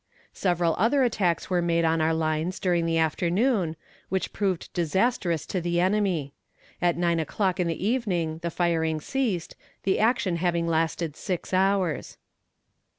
Several other attacks were made on our lines during the afternoon, which proved disastrous to the enemy. At nine o'clock in the evening the firing ceased, the action having lasted six hours.